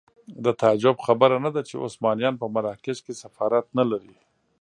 د تعجب خبره نه ده چې عثمانیان په مراکش کې سفارت نه لري.